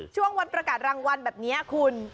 ช่วงวันประกาศรางวัลแบบนี้คุณ